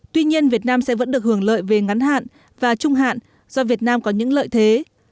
tuy nhiên việt nam sẽ vẫn được hưởng lợi về ngắn hạn và trung hạn do việt nam có những lợi thế